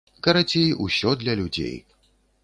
Карацей, усё для людзей.